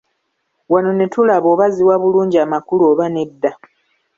Wano ne tulaba oba ziwa bulungi amakulu oba nedda.